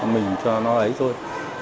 mình cho nó lấy thôi